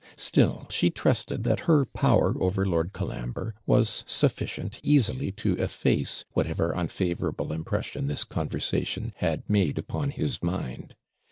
Still she trusted that her power over Lord Colambre was sufficient easily to efface whatever unfavourable impression this conversation had made upon his mind.